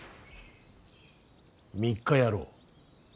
３日やろう。